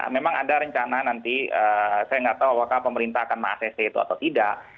memang ada rencana nanti saya nggak tahu apakah pemerintah akan mengact itu atau tidak